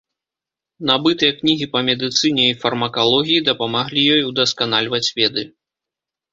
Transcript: Набытыя кнігі па медыцыне і фармакалогіі дапамаглі ёй удасканальваць веды.